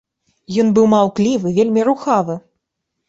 Ён быў маўклівы, вельмі рухавы.